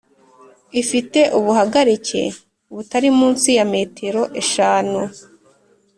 ifite ubuhagarike butari munsi ya metero eshanu